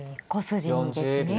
５筋にですね